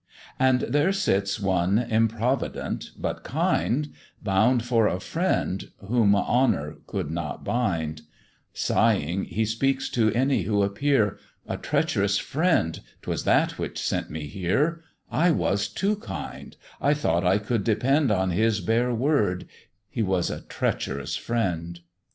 And there sits one improvident but kind, Bound for a friend, whom honour could not bind; Sighing, he speaks to any who appear, "A treach'rous friend 'twas that which sent me here: I was too kind, I thought I could depend On his bare word he was a treach'rous friend."